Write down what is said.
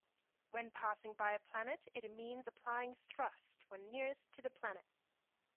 When passing by a planet it means applying thrust when nearest to the planet.